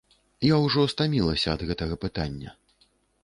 Я ўжо стамілася ад гэтага пытання.